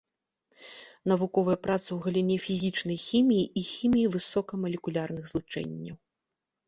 Навуковыя працы ў галіне фізічнай хіміі і хіміі высокамалекулярных злучэнняў.